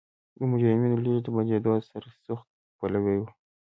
د مجرمینو لېږد د بندېدو سرسخت پلوی و.